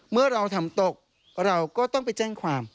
เมื่อเราทำตกเราก็ต้องไปแจ้งความ